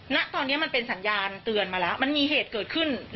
ณตอนนี้มันเป็นสัญญาณเตือนมาแล้วมันมีเหตุเกิดขึ้น